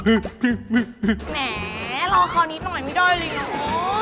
แหมรอขอนิดหน่อยไม่ได้เลยเหรอ